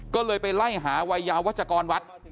ก็เลยไปไล่หาวัยยาวัชกรวัด